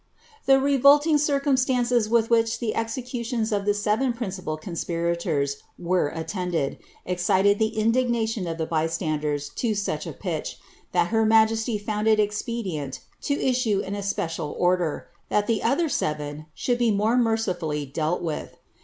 The revolting cht;umstances with which the executions of the seven principal conspirators were attended, excited the indignation of the by standers to such a pitch, that her majesty found it expedient to issue an especial order, that the other seven should be more mercifully dealt ' State Trials.